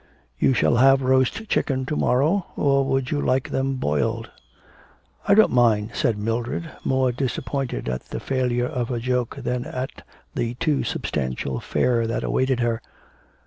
'You shall have roast chicken to morrow, or would you like them boiled?' 'I don't mind,' said Mildred, more disappointed at the failure of her joke than at the too substantial fare that awaited her.